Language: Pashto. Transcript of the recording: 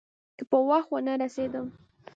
که په وخت ونه رسېدم.